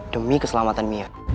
demi keselamatan mia